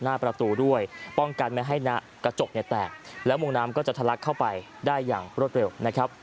นี่นี่นี่นี่นี่นี่